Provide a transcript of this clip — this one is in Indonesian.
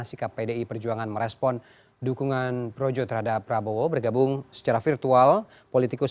sikap pdi perjuangan merespon dukungan projo terhadap prabowo bergabung secara virtual politikus